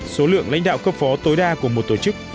số lượng lãnh đạo cấp phó tối đa của một tổ chức